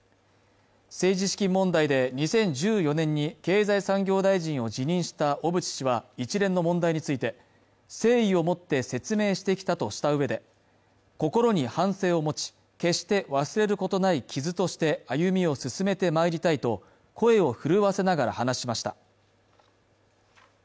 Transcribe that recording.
政治資金問題で２０１４年に経済産業大臣を辞任した小渕氏は一連の問題について誠意を持って説明してきたとしたうえで心に反省を持ち決して忘れることない傷として歩みを進めてまいりたいと声を震わせながら話しました